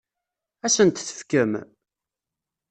Ad asen-t-tefkem?